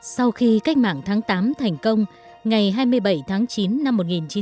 sau khi cách mạng tháng tám thành công ngày hai mươi bảy tháng chín năm một nghìn chín trăm bốn mươi năm